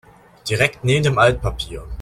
Direkt neben dem Altpapier.